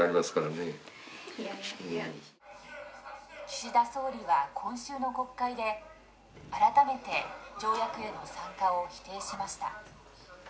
「岸田総理は今週の国会で改めて条約への参加を否定しました」